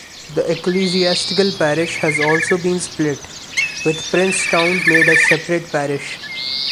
The ecclesiastical parish has also been split, with Princetown made a separate parish.